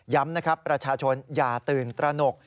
นะครับประชาชนอย่าตื่นตระหนก